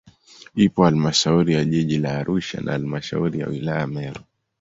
Ipo halmashauri ya jiji la Arusha na halmashauri ya wilaya ya Meru